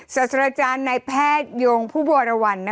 ศาสตราจารย์ในแพทยงผู้วรวรรณ